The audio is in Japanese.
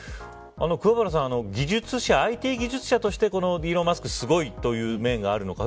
桑原さん、ＩＴ技術者としてイーロン・マスク氏がすごいという面があるのか